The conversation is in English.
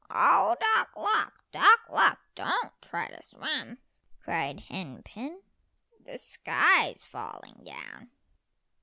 "Oh, Duck luck! Duck luck! don't try to swim," cried Hen pen. "The sky's falling down."